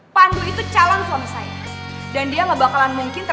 pasar gue udah gak enak nih